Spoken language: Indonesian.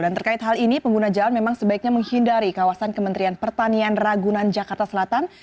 dan terkait hal ini pengguna jalan memang sebaiknya menghindari kawasan kementerian pertanian ragunan jakarta selatan